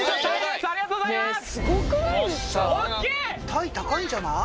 タイ高いんじゃない？